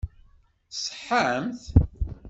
Tṣeḥḥamt?